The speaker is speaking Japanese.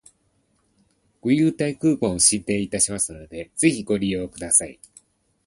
ご優待クーポンを進呈いたしますので、ぜひご利用ください